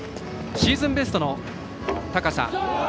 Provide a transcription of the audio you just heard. シーズンベストの高さ。